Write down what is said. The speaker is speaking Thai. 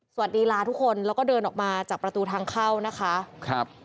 สวัสดีลาทุกคนแล้วก็เดินออกมาจากประตูทางเข้านะคะครับ